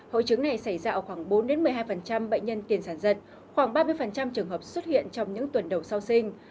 hội chứng này xảy ra ở khoảng bốn một mươi hai bệnh nhân tiền sản giật khoảng ba mươi trường hợp xuất hiện trong những tuần đầu sau sinh